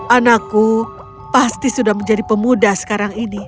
anakku pasti sudah menjadi pemuda sekarang ini